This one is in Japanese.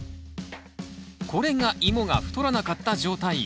これがイモが太らなかった状態。